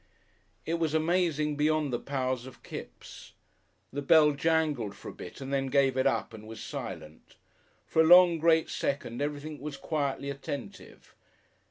It was amazing beyond the powers of Kipps. The bell jangled for a bit and then gave it up and was silent. For a long, great second everything was quietly attentive.